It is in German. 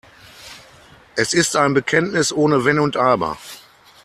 Es ist ein Bekenntnis ohne Wenn und Aber.